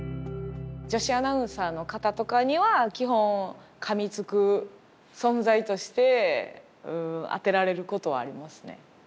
女子アナウンサーの方とかには基本かみつく存在としてあてられることはありますね。